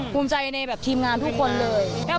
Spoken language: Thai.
ภูมิใจในแบบทีมงานทุกคนเลย